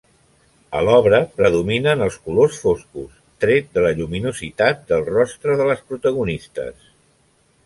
A l'obra predominen els colors foscos, tret de la lluminositat del rostre de les protagonistes.